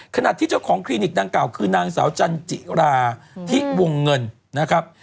ขณะที่เจ้าของคลินิกดังกล่าวคือนางสาวจันจิราที่วงเงินนะครับ